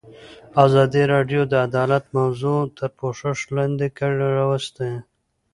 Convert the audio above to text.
ازادي راډیو د عدالت موضوع تر پوښښ لاندې راوستې.